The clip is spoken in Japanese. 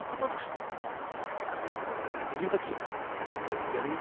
銀八やるよ。